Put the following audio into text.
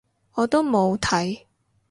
我都冇睇